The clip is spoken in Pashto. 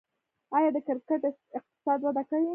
آیا د کرکټ اقتصاد وده کړې؟